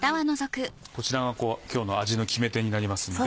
こちらが今日の味の決め手になりますんで。